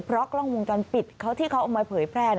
เพราะกล้องวงจรปิดเขาที่เขาเอามาเผยแพร่